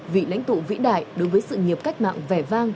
vị lãnh tụ vĩ đại đối với sự nghiệp cách mạng vẻ vang